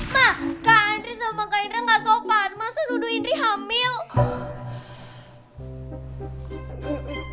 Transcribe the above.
nah kak andri sama kak indra gak sopan masa duduk indri hamil